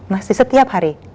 masih setiap hari